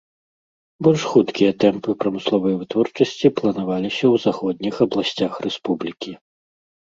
Больш хуткія тэмпы прамысловай вытворчасці планаваліся ў заходніх абласцях рэспублікі.